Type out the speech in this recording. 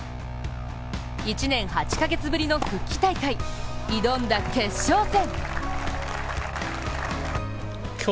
１年８か月ぶりの復帰大会、挑んだ決勝戦。